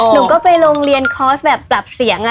หนูก็ไปโรงเรียนคอร์สแบบปรับเสียง